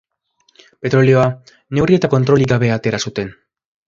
Petrolioa neurri eta kontrolik gabe atera zuten.